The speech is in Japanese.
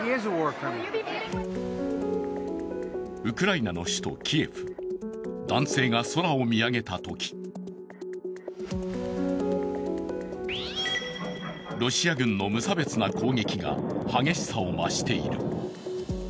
ウクライナの首都キエフ男性が空を見上げたときロシア軍の無差別な攻撃が激しさを増している。